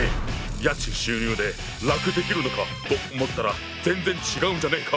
家賃収入で楽できるのかと思ったら全然違うじゃねえか！